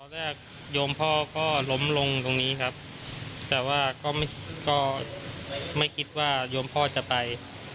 แรกโยมพ่อก็ล้มลงตรงนี้ครับแต่ว่าก็ไม่คิดว่าโยมพ่อจะไป